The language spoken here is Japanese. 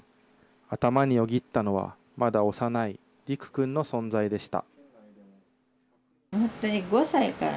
頭によぎったのは、まだ幼い利久君の存在でした。